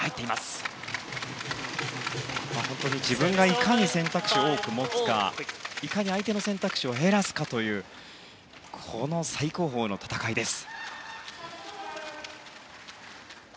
自分がいかに選択肢を多く持つかいかに相手の選択肢を減らすかというこの最高峰の戦いです。